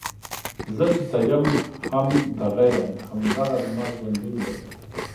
زۀ چې څۀ يم هم دغه يم، هـــم دغه زمـا ژونـد ون دی